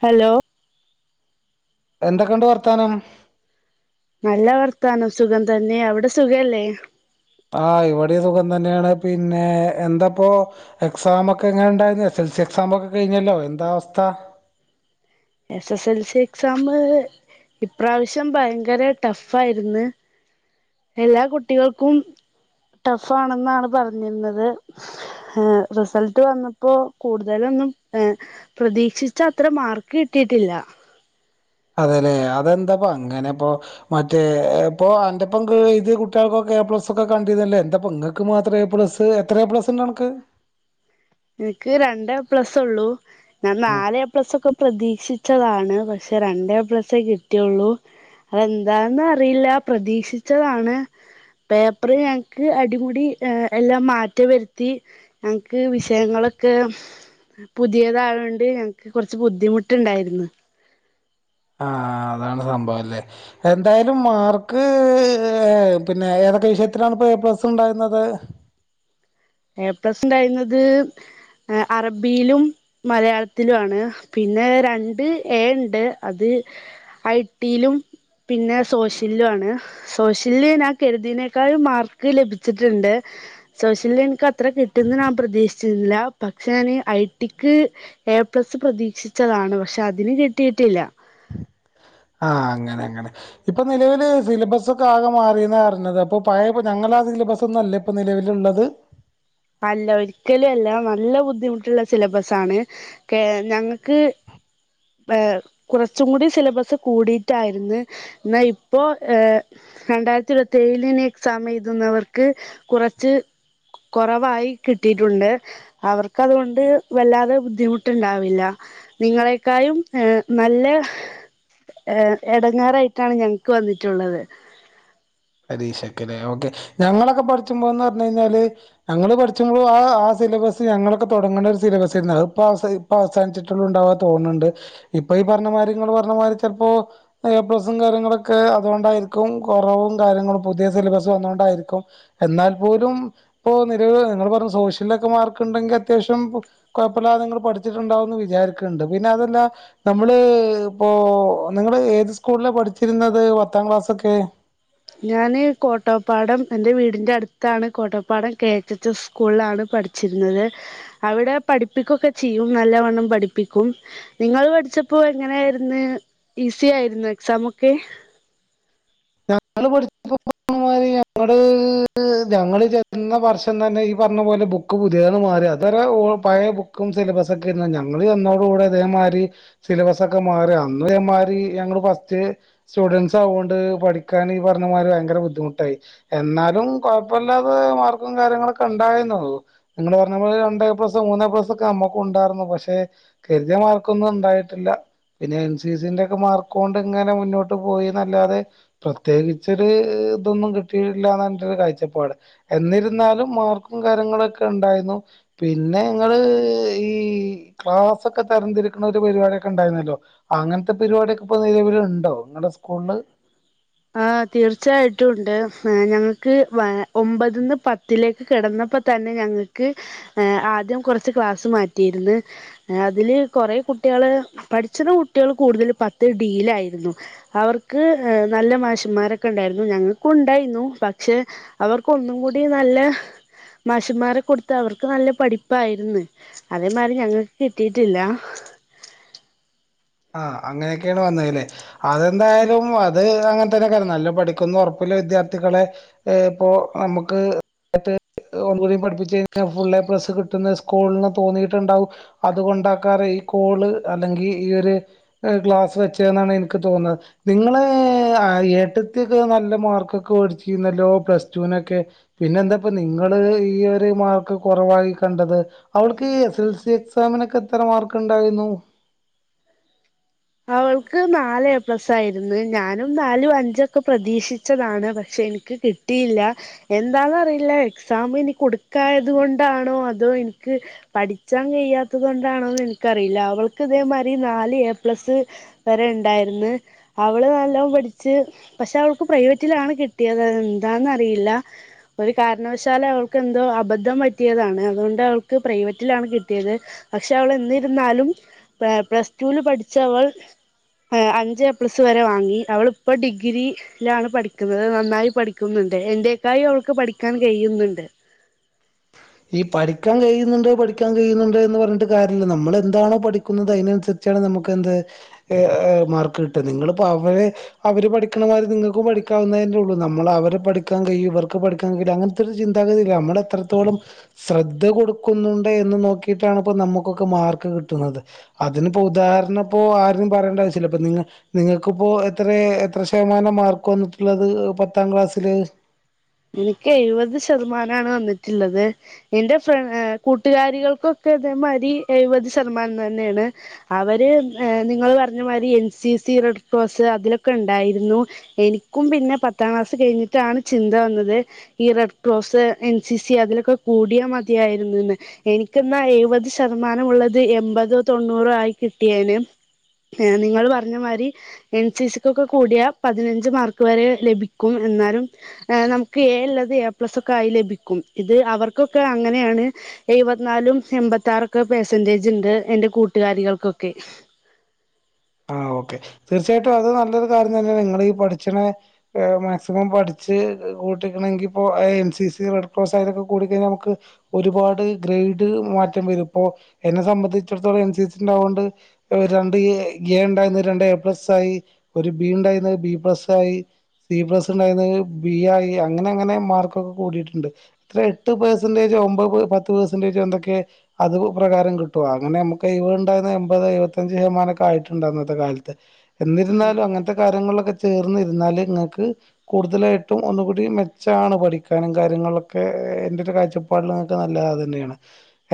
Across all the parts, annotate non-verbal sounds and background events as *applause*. Hello എന്തൊക്കെയുണ്ട് വർത്താനം? നല്ല വർത്താനം. സുഖം തന്നെ. അവിടെ സുഖല്ലേ? ആ ഇവിടെ സുഖം തന്നെയാണ് പിന്നെ എന്താപ്പോ എക്സാംഒക്കെ എങ്ങനെ ഉണ്ടായിന്ന് എക്സാ മൊക്കെ കഴിഞ്ഞല്ലോ എന്താ അവസ്ഥ? S S L C exam ഇപ്രാവശ്യം ഭയങ്കര ടഫ് ആയിരുന്ന് എല്ലാ കുട്ടികൾക്കും ടഫ് ആണെന്നാണ് പറഞ്ഞിരുന്നത്. റിസൾട്ട് വന്നപ്പോ കൂടുതലും ലും പ്രതീക്ഷിച്ച അത്ര മാർക്ക് കിട്ടിയിട്ടില്ല. അതെല്ലെ അതെന്താപ്പ അങ്ങനെ ഇപ്പോ മറ്റേ ഇപ്പൊ അന്റെപ്പം എഴുതി കുട്ടികൾക്കൊക്കെ എ പ്ലസ് ഒക്കെ കണ്ടിരുന്നല്ലേ? എന്താപ്പനിങ്ങക്ക് മാത്രം എ പ്ലസ് എത്ര എ പ്ലസ് ഉണ്ട് നിനക്ക്? എനിക്ക് രണ്ട് എ പ്ലസ് ഉള്ളൂ ഞാൻ നാല് എ പ്ലസ് ഒക്കെ പ്രതീക്ഷിച്ചതാണ്. പക്ഷെ രണ്ട് എ പ്ലസേ കിട്ടിയുള്ളൂ. അതെന്താന്ന് അറിയില്ല പ്രതീക്ഷിച്ചതാണ് പേപ്പർ ഞങ്ങക്ക് അടിമുടി എല്ലാം മാറ്റം വരുത്തി ഞങ്ങക്ക് വിശ യങ്ങളൊക്കെ പുതിയതായകൊണ്ട് ഞങ്ങക്ക് കുറച്ച് ബുദ്ധിമുട്ടുണ്ടായിരുന്നു. ആ അതാണ് സംഭവം അല്ലേ? എന്തായാലും മാർക്ക് ഏ പിന്നെ എ ഏതൊക്കെ വിഷയത്തിനാണ് ഇപ്പോ എ പ്ലസ് ഉണ്ടായിരുന്നത് എപ്ലസുണ്ടായിരുന്നത് അറബിയിലും മലയാളത്തിലുമാണ് പിന്നെ രണ്ട് എ ഉണ്ട് അത് ഐ ട്ടി യിലും പിന്നെ സോഷ്യലിനും ആണ് സോഷ്യലിന് ഞാൻ കരുതിയതിനേക്കാളും മാർക്ക് ലഭിച്ചിട്ടുണ്ട് സോഷ്യലിൻ അത്ര കിട്ടുന്ന് നാൻ പ്രതീക്ഷിച്ചില്ല പക്ഷെ ഞാന് ഐടിക്ക് എ പ്ലസ് പ്രതീക്ഷിച്ച താണ് പക്ഷെ അതിന് കിട്ടിയിട്ടില്ല ആ അങ്ങനെ അങ്ങനെ ഇപ്പൊ നിലവില് സിലബസൊക്കെ ആകെ മാറീന്നാ അറിഞ്ഞത് അപ്പൊ പഴേപ്പ ഞങ്ങളാത് സിലബസൊന്നും അല്ല ഇപ്പൊ നിലവിലുള്ളത് അല്ല ഒരിക്കലും അല്ല നല്ല ബുദ്ധിമുട്ടുള്ള സിലബസാണ് ഞങ്ങക്ക് ഏ കുറച്ചും കൂടി സിലബസ് കൂടിയിട്ടായിരുന്നു എന്നാ ഇപ്പോ ഏ രണ്ടായിരത്തി ഇരുപത്തേഴിലിനി എക്സാം എഴുതുന്നവർക്ക് കുറച്ച് കുറവായി കിട്ടിയിട്ടുണ്ട് അവർക്കതുകൊണ്ട് വല്ലാതെ ബുദ്ധിമുട്ടുണ്ടാവില്ല നിങ്ങളെക്കായും എ നല്ല എ എടങ്ങേറായിട്ടാണ് ഞങ്ങ്ക്ക് വന്നിട്ടുള്ളത് പരീക്ഷക്കല്ലെ ഓക്കെ ഞങ്ങളൊക്കെ പഠിച്ചുമ്പോ എന്ന് പറഞ്ഞുകഴിഞ്ഞാല് ഞങ്ങള് പഠിച്ചുമ്പോ ആ സിലബസ് ഞങ്ങളൊക്കെ തുടങ്ങണ ഒരു സിലബസാരുന്നു അതിപ്പം അവസാനി പ്പം അവസാനിച്ചിട്ടുള്ള ഉണ്ടാവാൻ തോന്നുന്നുണ്ട് ഇപ്പൊ ഈ പറഞ്ഞമാതിരി നിങ്ങള് പറഞ്ഞമാതിരി ചിലപ്പോ എ പ്ലസും കാര്യങ്ങളൊക്കെ അതുകൊണ്ടായിരിക്കും കുറവും കാര്യങ്ങളും പുതിയ സിലബസ് വന്നൊണ്ടായിരിക്കും എന്നാൽ പോലും ഇപ്പോൾ നിലവിൽ നിങ്ങൾ പറഞ്ഞ പോലെ സോഷ്യല് മാർക്ക് ഉണ്ടെങ്കിൽ അത്യാവശ്യം കുഴപ്പമില്ലാതെ നിങ്ങള് പഠിച്ചിട്ടുണ്ടാവൂന്ന് വിചാരിക്കണ്ണ്ട് പിന്നെ അതല്ല നമ്മള് ഇപ്പോ നിങ്ങള് ഏത് സ്കൂളിലാ പഠിച്ചിരുന്നത് പത്താം ക്ലാസ്സൊക്കെ ഞാന് കോട്ടപ്പാടം എൻറെ വീടിന്റെ അടുത്താണ് Kottappadam K H H S സ്കൂളിലാണ് പട് പഠിച്ചിരുന്നത് അവിടെ പഠിപ്പിക്കൊക്കെ ചെയ്യും നല്ലവണ്ണം പഠിപ്പിക്കും നിങ്ങള് പഠിച്ചത് ഇപ്പോ എങ്ങനെയായിരുന്നു ഈസിയായിരുന്നോ എക്സാമൊക്കെ ഞങ്ങള് *unintelligible* പഠിച്ചപ്പോ *unintelligible* ഞങ്ങള് ഞങ്ങള് ചെല്ലുന്ന വർഷംതന്നെ ഈ പറഞ്ഞപോലെ ബുക്ക് പുതിയത് മാറി അതരെ പഴയ ബുക്കും സിലബസൊക്കെ ഇരുന്ന ഞങ്ങള് ചെന്നോട് കൂടെ അതേമാതിരി സിലബസൊക്കെ മാറി അന്നു ഇതേമാരി ഞങ്ങള് ച്ച് സ്റ്റുഡൻസ് ആവോണ്ട് പഠിക്കാന് ഈ പറഞ്ഞമാതിരി ഭയങ്കര ബുദ്ധിമുട്ടായി എന്നാലും കുഴപ്പമില്ലാതെ മാർക്കും കാര്യങ്ങളൊക്കെ ഉണ് ണ്ടായിരുന്നു നിങ്ങളു പറഞ്ഞപോലെ രണ്ട് എ പ്ലസ് മൂന്ന് എ പ്ലസ് ഒക്കെ നമ്മക്കും ഉണ്ടായിരുന്നു പക്ഷെ കരുതിയ മാർക്ക് ക്കൊന്നും ഉണ്ടായിട്ടില്ല പിന്നെ എൻ സി സിന്റെ ഒക്കെ മാർക്ക് കൊണ്ട് ഇങ്ങനെ മുന്നോട്ട് പോയിന്നല്ലാതെ പ്രത്യേകിച്ചൊരു ഇതൊന്നും കിട്ടിയിട്ടില്ലാന്ന എൻറെരു കാഴ്ചപ്പാട് എന്നിരുന്നാലും മാർക്കു കാരൃങ്ങളൊക്കെ ഉണ്ടായിരുന്നു പിന്നെ ഇങ്ങള് ഈ ക്ലാസ്സൊക്കെ തരംതിരിക് ന്ന ഒരു പരിപാടിയൊക്കെ ഉണ്ടായിരുന്നല്ലോ അങ്ങനത്തെ പരിപാടിയൊക്കെ ഇപ്പൊ നിലവിലുണ്ടോ നിങ്ങളുടെ സ്കൂളില് ആ തീർച്ചയായിട്ടുമുണ്ട് ഞങ്ങൾക്ക് ഒമ്പതീന്ന് പത്തിലേക്ക് കടന്ന പ്പതന്നെ ഞങ്ങക്ക് ആദ്യം കുറച്ച് ക്ലാസ്സ് മാറ്റിയിരുന്നു അതില് കുറേ കുട്ട്യള് പഠിച്ചുന്ന കുട്ട്യള് കൂടുതൽ പത്ത് ഡിയിലായിരുന്നു അവർക്ക് നല്ല മാഷിന്മാരൊക്കെണ്ടായിരുന്നു ഞങ്ങൾക്കു ഉണ്ടായിരുന്നു പക്ഷെ അവർക്ക് ഒന്നും കൂടി നല്ല മാഷ്മാരെ കൊടുത്ത അവർക്ക് നല്ല പഠിപ്പായിരുന്നു അതേമാരി ഞങ്ങക്ക് കിട്ടിട്ടില്ല *inaudible* ഹ അങ്ങനെക്കെയാണ് വന്നതല്ലേ അതെന്തായാലും അത് അങ്ങനെത്തന്നെക്കാരം നല്ല പഠിക്കുന്നൊറപ്പുള്ള വിദ്യാർത്ഥികളെ ഇപ്പോ നമുക്ക് ഒന്നൂടിം പഠപ്പിച്ച് കയിഞ്ഞാ ഫുള്ളേ പ്ലസ്സ് കിട്ടുന്ന് സ്കൂള്ന് തോന്നിട്ടുണ്ടാവും അത് കൊണ്ടാക്കാരം കോള് അല്ലെങ്കിൽ ഈ ഒരു ക്ലാസ് വെച്ചേന്നാണ് എനിക്ക് തോന്നത് നിങ്ങളെ അ ഏട്ടത്തിക്ക് നല്ല മാർ ക്കക്ക് വേടിച്ചീനല്ലോ പ്ലസ് ടു നൊക്കെ പിന്നെന്താപ്പോ നിങ്ങള് ഈഒര് മാർക്ക്‌ കൊറവ കണ്ടത് അവൾക്ക് എസ് എൽ സി എക്സാമിനൊക്കെ എത്ര മാർക്ക്ണ്ടായിരുന്നു അവൾക്ക് നാല് എ പ്ലസ് ആയിര്ന്ന് ഞാനും നാലും അഞ്ചൊക്കെ പ്രതീക്ഷിച്ചതാണ് പക്ഷെ എനിക്ക് കിട്ടിയില്ല എന്താന്നറിയില്ല എക്സാം ഇനി കുടുക്കായത് കൊണ്ടാണോ അതോ ഇൻക് പഠിച്ചാൻ കഴാത്തത് കൊണ്ടാണോന്നനിക്കറില്ല അവൾക്ക് ഇതേമായിരി നാല് എ പ്ലസ് വരെണ്ടായിരുന്നു അവൾ നല്ലോം പഠിച്ച് പക്ഷെ അവൾക്ക് പ്രൈവറ്റിലാണ് കി കിട്ടിയത് എന്താന്ന്റിയില്ല ഒരു കാരണവശാൽ അവൾക്ക് എന്തോ അബദ്ധം പറ്റിയതാണ് അതുകൊണ്ട് അവക്ക് പ്രൈവറ്റിലാണ് കിട്ടിയത് പക്ഷെ അവളെന്നിരുന്നാലും പ്ലസ്‌ടുവിൽ പഠിച്ച ചവൾ അഞ്ച് എപ്ലസ് വരെ വാങ്ങി അവളിപ്പ ഡിഗ്രി ഇലാണ് പഠിക്കുന്നത് നന്നായി പഠിക്കുന്ന് ണ്ട് എന്റെക്കായും അവൾക്ക് പഠിക്കാൻ കയ്യുന്നുണ്ട് ഈ പഠിക്കാൻ കയുന്നുണ്ട് പഠിക്കാൻ കയുന്നുണ്ട് എന്ന് പറഞ്ഞിട്ട് കാര്യമില്ല നമ്മൾ എന്താണോ പഠിക്കുന്നത് അയ്നനുസരിച്ച് ച്ചാണ് നമുക്ക് എന്ത് മാർക്ക് കിട്ടും നിങ്ങളിപ്പോ അവരെ അവര് പഠിക്കണമായിരി നിങ്ങൾക്കും പഠി പഠിക്കാവുന്നല്ലേള്ളൂ നമ്മള് അവരെ പഠിക്കാൻ കയും ഇവർക്ക് പഠിക്കാൻ കയും അങ്ങനത്തെ ചിന്താഗതിയില്ല നമ്മളെത്രത്തോളം ശ്രദ്ധ കൊടുക്കുന്നുണ്ട് എന്ന് നോക്കിയിട്ടാണ് ഇപ്പോ നമുക്കൊക്കെ മാർക്ക് കിട്ടുന്നത് അതിന്നിപ്പോ ഉദാഹര ന്നപ്പോ ആരും പറയേണ്ട ആവശ്യല്ല നിങ നിങ്ങക്കിപ്പോ എത്രെ എത്ര ശേമാനം മാർക്ക് വന്നിട്ടുള്ളത് പത്താം ക്ലാസ്സില് എനിക്ക് എഴുവത് ശതമാനാണ് വന്നിട്ടുള്ളത് എൻ്റെ ഫ്ര കൂട്ടുകാരികൾക്കൊക്കെ തേമായ്രി എഴുപത് ശതമാനം തന്നെയാണ് അവര് നിങ്ങള് പറഞ്ഞ മാതിരി എൻ സി സി റഡ് ക്രോസ് അതിലൊക്കെണ്ടായിരുന്നു എനിക്കും പിന്നെ പത്താം ക്ലാസ്സ് കഴിഞ്ഞിട്ടാണ് ചിന്ത വന്നത് ഈ റഡ്ക്രോസ് എൻ സി സി അതിലൊക്കെ കൂടിയാ മതിയായിരുന്നുന്ന് എനിക്കാ പത് ശതമാനം ഉള്ളത് എൺമ്പതോ തൊണ്ണൂറോ ആയി കിട്ടിയേനെ ഏ നിങ്ങൾ പറഞ്ഞ മാതിരി എൻ സി സിക്കൊക്കെ കൂടിയ പതിനഞ്ച് മാർക്ക് വരെ ലഭിക്കും എന്നാലും *unintelligible* എ ല്ലത് എ പ്ലസ് ഒക്കെ ആയി ലഭിക്കും ഇത് അവർക്കൊക്കെ അങ്ങനെയാണ് എഴുപത് നാലും എം അമ്പത്താറൊക്കെ പെസെന്റേജ് ഉണ്ട് എറെ കൂട്ടുകാരികൾക്കൊക്കെ ആഹ് ഓക്കെ തീർച്ചയായിട്ടും അത് നല്ലൊരു കാര്യം തന്നെണ് നിങ്ങളീ പഠിച്ചണ മാക്സിമം പഠിച്ച് ട്ടണെങ്കിപ്പൊ എൻ സി സി റഡ്ക്രോസ് അതിനെക്കെ കൂടി കഴിഞാമുക്ക് ഒരുപാട് ഗ്രൈഡ് മാറ്റം വരും ഇപ്പോ എന്നെ സംബന്ധിച്ചിടത്തോളം എൻ സി സി ഉണ്ടാവുണ്ട് രണ്ട് എ എ ഉണ്ടായിരുന്നു രണ്ട് എ പ്ലസ് ആയി ഒരു ബി ണ്ടായിരുന്നു ബി പ്ലസ് ആയി സി പ്ലസ് ഉണ്ടായിരുന്ന് ബി ആയി അങ്ങനങ്ങനെ മാർക്കൊക്കെ കൂടിയിട്ടുണ്ട് ത്രഎട്ട് പെർസന്റജോ ഒമ്പത് പത്ത് പേസന്റ ന്തൊക്കെ അത് പ്രകാരം കിട്ടും അങ്ങനെ നമുക്ക് ണ്ടാകുന്ന എമ്പത് എഴപത്തഞ്ച് ശതമാന ആയിട്ടുണ്ടന്നത്തെ കാലത്ത് എന്നിരുന്നാലും അങ്ങനത്തെ കാര്യങ്ങള ചേർന്നിരുന്നാൽ ഇങ്ങക്ക് കൂടുതലായിട്ടും ഒന്നുകൂടി മെച്ചാണ് പഠിക്കാനും കാര്യങ്ങളൊക്കെ എന്റെ ഒരു കാഴ്ചപ്പാടിലക്ക നല്ലതാതന്നെയാണ്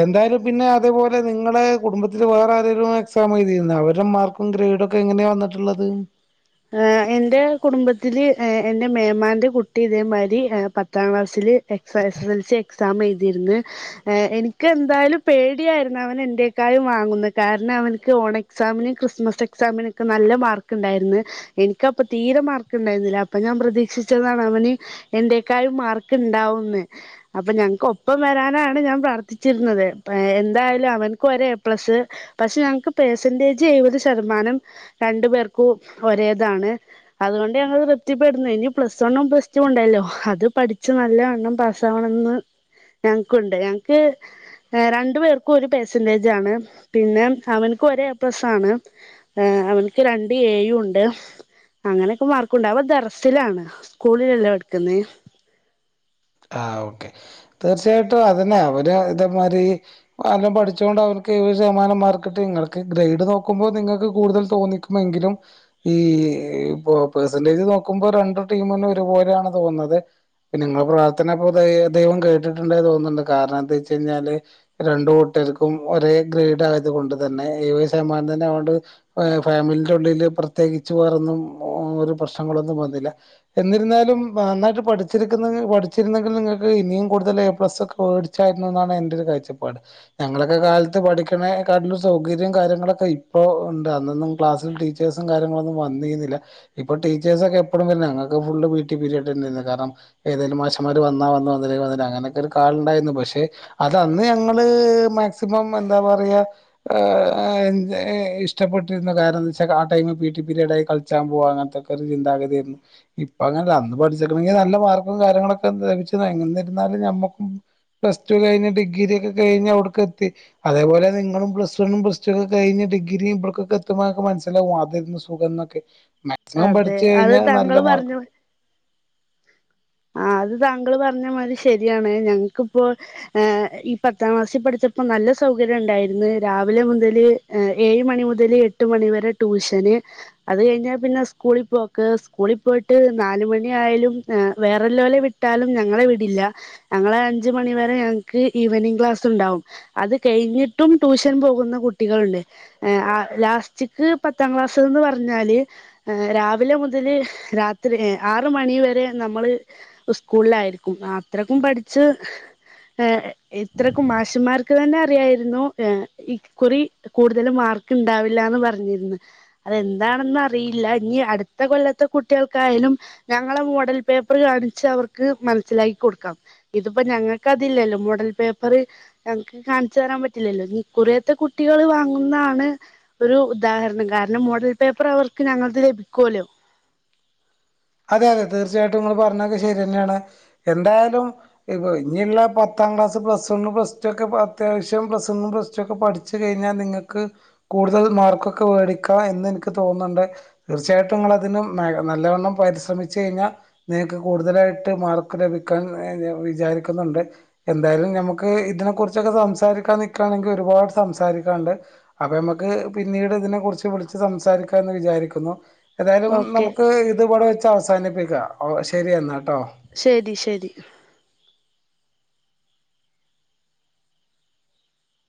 എന്തായാലും പിന്നെ അതേപോലെ നിങ്ങളെ കുടുംബ ത്തില് വേറെ ആരെലും എക്സാം എഴതിര്ന്ന അവര മാർക്കും ഗ്രേഡും ഒക്കെങ്ങനെയാ വന്നിട്ടുള്ളത് ആ എന്റെ കുടുംബത്തില് എന്റെ മേമാന്റെ കുട്ടി ഇതേമാതിരി പത്താം ക്ലാസ്സില് എക്സാ എസ് എസ് എസ്ൽസി എക്സാമെഴുതിരുന്ന് എനിക്ക് എന്തായാലും പേടി ആയിരുന്ന് അവന് *unintelligible* ക്കായും വാങ്ങുന്ന് കാരണം അവൻക്ക് ഓൺ എക്സാമിനും ക്രിസ്മസ് എക്സാമിനൊക്കെ നല്ല മാർക്ക്ണ്ടായിരുന്നു എനിക്കപ്പൊ തീരെ മാർക്ക് ണ്ടായിരുന്നില്ല അപ്പൊ ഞാൻ പ്രതീക്ഷിച്ചതാണ് അവന് എന്റെക്കായും മാർക്ക്ണ്ട ണ്ടാകുംന്ന് അപ്പൊ ഞങ്ങക്ക് ഒപ്പം വരാനാണ് ഞാൻ പ്രാർത്ഥിച്ചിരുന്നത് എന്തായാലും അവ ഒരഎ പ്ലസ്സ് പക്ഷെ ഞക്ക് പേർസെന്റേജ് എഴുപത് ശതമാനം രണ്ടു പേർക്കും ഒരേതാണ് അതുകൊണ്ട് ഞങ്ങൾ തൃപ്തിപ്പെടുന്നു ഇനി പ്ലസ് വണ്ണും പ്ലസ് ടു ഉണ്ടായല്ലോ അത് പഠിച്ച് നല്ല എണ്ണം പാസ്സാവണം എന്ന് ഞങ്ങക്കുണ്ട് ഞങ്ങക്ക് രണ്ടു പേർക്കും ഒരു പെർസെന്റേജ ആാണ് പിന്നെ അവനക്കും ഒര എ പ്ലസ് ആണ് അവക്ക് രണ്ട് എ യും ണ്ട് അങ്ങനെയൊക്കെ മാർക്കുണ്ട് അവ ദറസിലാണ് സ്കൂളിലല്ലോ എടുക്കുന്നത് ആ ഓക്കെ തീർച്ചയായിട്ടും അതെന്നെ അവര് ഇതുമാരി എല്ലാം പഠിച്ചുകൊണ്ട് അവർ ഏഴ് ശതമാനം മാർക്കട്ട് നിങ്ങൾക്ക് ഗ്രേഡ് നോക്കുമ്പോ നിങ്ങൾക്ക് കൂടുതൽ തോന്നിക്കുമെങ്കിലും ഈ ഇ പെർസെന്റേജ് നോക്കുമ്പോ രണ്ടു ടീമും ഒരുപോലെയാണ് തോന്നുന്നത് പി നിങ്ങ അപ്പോ ദൈവം കേട്ടിട്ടുണ്ടായി തോന്നുന്നുണ്ട് കാരണം എന്താ വെച്ച കഴിഞ്ഞാല് രണ്ടു കൂട്ടർക്കും ഒരേ ഗ്രേഡ് ആയത്ണ്ട് തന്നെ എഴുപത് ശതമാനംത്തിണ്ട് ഫാമിലി ഉള്ളിൽ പ്രത്യേകിച്ച് ന്നും ഒരു പ്രശ്നങ്ങളൊന്നും വന്നില്ല എന്നിരുന്നാലും നന്നായിട്ട് പഠിച്ചിരിക്കുന്നെങ്കി പഠി രുന്നെങ്കിൽ നിങ്ങക്ക് ഇനിയും കൂടുതൽ എ പ്ലസ് വേടിച്ചായിരുന്നു എന്നാണ് എന്റെ ഒരു കാഴ്ചപ്പാട് ഞങ്ങളൊക്കെ കാലത്ത് പഠിക്കണേക്കാട്ടിലും സൗകര്യം കാര്യങ്ങളൊക്കെ ഇപ്പോ ണ്ട് അന്നൊന്നും ക്ലാസ്സിൽ ടീച്ചേഴ്സും കാര്യങ്ങളൊന്നും വ ന്തെയ്യുന്നില്ല ഇപ്പൊ ടീച്ചേർസ് ഒക്കെ എപ്പഴും വര്ണ ഞങ്ങൾക്കൊക്കെ എപ്പഴും പി ഇ ടി പീരിയഡ് തന്നേർന്നു കാരണം ഏതേലും മാഷ് മാർ വന്ന വന്ന് വന്നിലെങ്കി വന്നീല അങ്ങനൊക്കെ ഒരു കാൾ ഉണ്ടായിരുന്നു പക്ഷെ അതന്ന് ഞങ്ങള് മാക്സിമം എന്താ പറയ ഏ ഏ ഏ ഇഷ്ടപ്പെട്ടിരുന്നു കാരണം എന്താച്ചാ ആ time P E T period ആയിരുന്നു കള്ചാൻ പോവാ അങ്ങനത്തെൊക്കെ ഒരു ചിന്താഗതിയയിരുന്നു ഇപ്പ അങ്ങന അല്ല അന്ന് പഠിച്ചിക്കണങ്കി നല്ല മാർക്കും കാര്യങ്ങളൊക്കെ *unintelligible* എന്നിരുന്നാലും നമ്മക്കും പ്ലസ് ടു കഴിഞ്ഞ് ഡിഗ്രി ഒക്കെ കഴിഞ്ഞ് അവിട്ക്കെത്തി അതേപോലെ നിങ്ങളും പ്ലസ് വണ്ണും പ്ലസ്ടു ഒക്കെ കഴിഞ്ഞ് ഡിഗ്രി ഇബട്ക്കൊക്കെ എത്തുമ്പോ ങ്ങള്ക് മനസ്സിലാവും അതെന്ന് സുഖം എന്നൊക്കെ മാക്സിമം അതെ പഠിച് അത് കഴിഞ്ഞാൽ നല്ല താങ്കൾ മാർക്ക് പറഞ്ഞു കിട്ടും ആ അത് താങ്കൾ പറഞ്ഞ മാതിരി ശരിയാണ് ഞങ്ങക്കിപ്പോ ഏ ഈ പത്താം ക്ലാസിൽ പഠിച്ചപ്പോ ന നല്ല സൗകര്യം ഉണ്ടായിരുന്നു രാവിലെ മുതൽ ഏഴ് മണി മുതൽ എട്ട് മണിവരെ ട്യൂഷന് അത് കഴിഞ്ഞാൽ പിന്നെ സ്കൂളിൽ പോക്ക് സ്കൂളിൽ പോയിട്ട് നാലുമണി ആയാലും ഏ വേറെല്ലോലെ വിട്ടാലും ഞങ്ങളെ വിടില്ല ഞങ്ങളെ അഞ്ച് മണി വരെ ഞങ്ങക്ക് ഈവനിംഗ് ക്ലാസ് ഉണ്ടാവും അത് കഴിഞ്ഞിട്ടും ടൂഷൻ പോകുന്ന കുട്ടികൾ ണ്ട് ഏ ആ ലാസ്റ്റ് ക് പത്താം ക്ലാസ്സ്‌ന്ന് പറഞ്ഞാല് രാവിലെ മുതൽ രാത്രി ആറ് മണി വരെ നമ്മള് സ്കൂളിലായിരിക്കും അത്രക്കും പഠിച്ച് ഹ് ഹേ ഇത്രക്ക്‌ മാശന്മാർക്ക് തന്നെ അറിയായിരുന്നു ഏ ഇക്കുറി കൂടുതലും മാർ മാർക്കിണ്ടാവില്ലാന്ന് പറഞ്ഞിര്ന്ന് അതെന്താണന്നറിയില്ല ഇനി അടുത്ത കൊല്ലത്തെ കുട്ടികൾക്കായി ലും ഞങ്ങളെ മോഡൽ പേപ്പർ കാണിച്ച് അവർക്ക് മനസ്സിലാക്കി കൊടുക്കാം ഇതിപ്പോ ഞങ്ങൾക്ക് അതില്ലല്ലോ മോഡൽ പേപ്പർ ഞങ്ങക്ക് കാണിച്ചു തരാൻ പറ്റില്ലല്ലോ ഇനി ഇക്കുറിയത്തെ കുട്ടികൾ വാങ്ങുന്നതാണ് ഒരു ഉദാഹരണം കാരണം മോഡൽ പേപ്പർ അവർക്ക് ഞങ്ങൾത് ലഭിക്കോലൊ അതെ അതെ തീർച്ചയായിട്ടും ഇങ്ങൾ പറഞ്ഞൊക്കെ ശരി തന്നെയാണ് എന്തായാലും ഇ പോ ഇനിയുള്ള പത്ത് പത്താം class plus one plus two ഒക്കെ അത്യാവശ്യം പ്ലസ് വൺ പ്ലസ് ടു ഒക്കെ പഠിച്ച് കഴിഞ്ഞാൽ നിങ്ങക്ക് കൂ കൂടുതൽ മാർക്കൊക്കെ വേടിക്ക എന്ന് എനിക്ക് തോന്നുന്നുണ്ട് തീർച്ചയായിട്ടും നിങ്ങള അതിന് നല്ലവണ്ണം പരിശ്രമിച്ചു കഴിഞ്ഞാൽ നിങ്ങക്ക് കൂടുതലായിട്ട് മാർക്ക് ലഭിക്കാൻ ഏ ഞാ വിചാരിക്കുന്നുണ്ട് എന്തായാലും ഞമ്മക്ക് ഇതിനെ കുറിച്ചൊക്കെ സംസാരിക്കാ നിക്കാ ണെങ്കി ഒരുപാട് സംസാരിക്കാണ്ട് അപ്പൊ നമ്മക്ക് ക്ക് പിന്നീട് ഇതിനെ കുറിച്ച് വിളിച്ച് സംസാരിക്കാ എന്ന് വിചാരിക്കുന്നു ഏതായാലും ഓക്കെ നമുക്ക് ഇത് ഇവിടെ വെച്ച് അവസാനിപ്പിക്കാം ശരിയ എന്നാ ട്ടോ ശരി ശരി